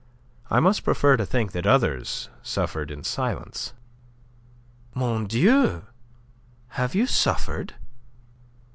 I must prefer to think that the others suffered in silence." "Mon Dieu! Have you suffered?"